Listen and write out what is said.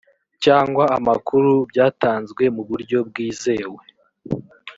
cyangwa amakuru byatanzwe mu buryo bwizewe